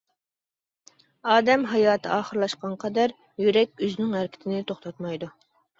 ئادەم ھاياتى ئاخىرلاشقانغا قەدەر يۈرەك ئۆزىنىڭ ھەرىكىتىنى توختاتمايدۇ.